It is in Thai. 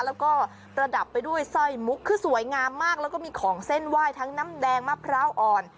แล้วก็ประดับไปด้วยสร้อยมุกคือสวยงามมากแล้วก็มีของเส้นไหว้ทั้งน้ำแดงมะพร้าวอ่อน